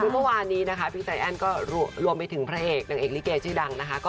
เพราะวันนี้พี่ใจแอ้นก็รวมไปถึงพระเอกริเกย์ชื่อดัง